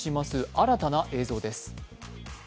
新たな映像です。